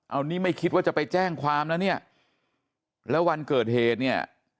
อันนี้ไม่คิดว่าจะไปแจ้งความแล้วเนี่ยแล้ววันเกิดเหตุเนี่ย